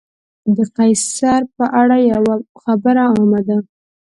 د قیصر په اړه یوه خبره عامه ده.